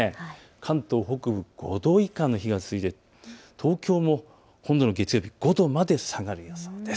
関東北部５度以下の日が続いて、東京も今度の月曜日５度まで下がる予想です。